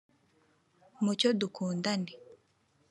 Mucyo dukundane